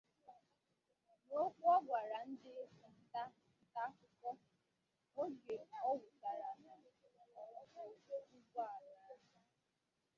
N'okwu ọ gwara ndị nta akụkọ oge ọ wụchara n'ọdụ ụgbọelu ahụ